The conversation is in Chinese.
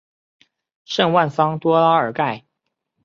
圣万桑多拉尔盖。